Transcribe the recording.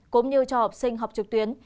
cũng như cho học sinh học trực tuyến